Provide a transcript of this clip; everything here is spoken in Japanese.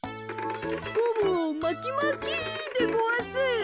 ゴムをまきまきでごわす。